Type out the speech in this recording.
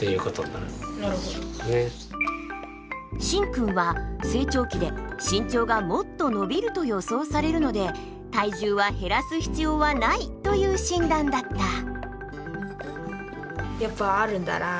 しんくんは成長期で身長がもっと伸びると予想されるので体重は減らす必要はないという診断だった。